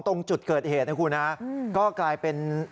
ตรงจุดเกิดเหตุนะคุณฮะก็กลายเป็น